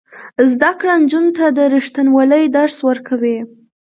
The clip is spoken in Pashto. زده کړه نجونو ته د ریښتینولۍ درس ورکوي.